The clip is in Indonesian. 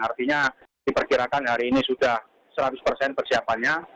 artinya diperkirakan hari ini sudah seratus persen persiapannya